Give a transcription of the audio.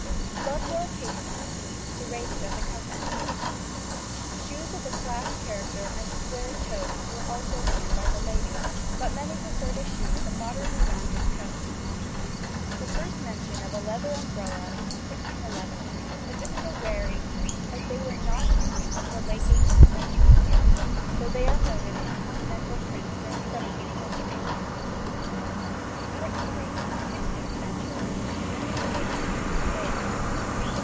Gloves are occasionally seen, serrated at the cuff end. Shoes of the slashed character and square toes were also worn by the ladies, but many preferred a shoe with a moderately rounded toe. The first mention of a leather umbrella is 1611, but this is a rare instance, as they were not in use till the 18th century here, though they are noted in continental prints during the 17th century. [Illustration: FIG. 42. Sixteenth century modes, 1st half Henry VIII.] SIXTEENTH CENTURY. HENRY VIII. MALE.